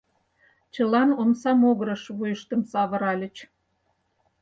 Чылан омса могырыш вуйыштым савыральыч.